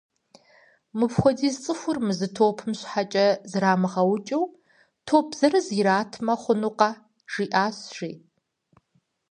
Мыпхуэдиз цӏыхур мы зы топым щхьэкӏэ зрамыгъэукӏыу, топ зырыз иратмэ хъунукъэ? - жиӏащ, жи.